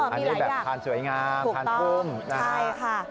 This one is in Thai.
อันนี้แบบพานสวยงามพานปุ้มใช่ค่ะ